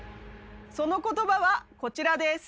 その言葉はこちらです。